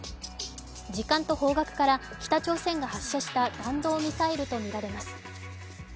時間と方角から北朝鮮が発射した弾道ミサイルとみられます。